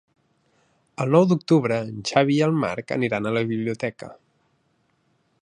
El nou d'octubre en Xavi i en Marc aniran a la biblioteca.